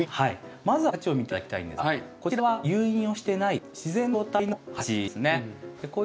まずはこちらの鉢を見て頂きたいんですがこちらは誘引をしてない自然の状態の鉢ですね。